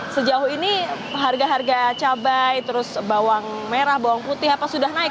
sejauh ini harga harga cabai terus bawang merah bawang putih apa sudah naik